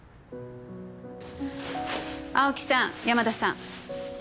青木さん山田さん。